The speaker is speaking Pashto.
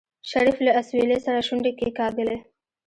شريف له اسويلي سره شونډې کېکاږلې.